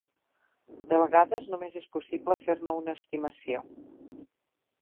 De vegades només és possible fer-ne una estimació.